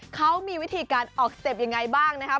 เขามีวิธีการออกสเต็ปยังไงบ้างนะครับ